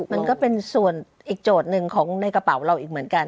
มันก็เป็นส่วนอีกโจทย์หนึ่งของในกระเป๋าเราอีกเหมือนกัน